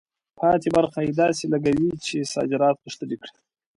پاتې برخه یې داسې لګوي چې صادرات غښتلي کړي.